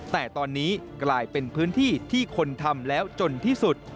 แต่ตอนนี้กลายเป็นพื้นที่ที่คนทำแล้วจนที่สุด